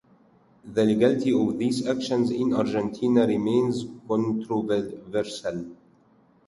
The legality of these actions in Argentina remains controversial.